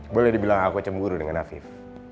boleh dibilang aku cemburu dengan nafif